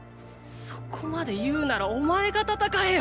そこまで言うならお前が戦えよッ！